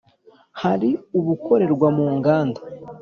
Hari ubukorerwa mu nganda